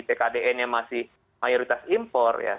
tkdn yang masih mayoritas impor ya